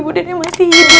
buden emak sih ini